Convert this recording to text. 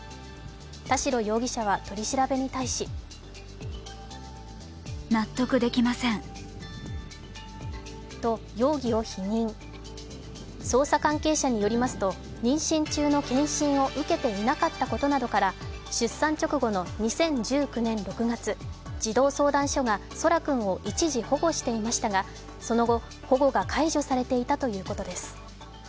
田代容疑者は取り調べに対しと容疑を否認、捜査関係者によりますと、妊娠中の健診を受けていなかったことなどから出産直後の２０１９年６月、児童相談所が空来君を一時保護していましたが、その後保護が解除されていたということです。